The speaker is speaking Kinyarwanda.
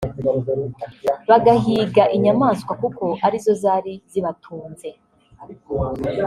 bagahiga inyamaswa kuko ari zo zari zibatunze